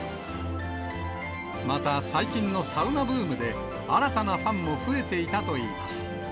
また、最近のサウナブームで新たなファンも増えていたといいます。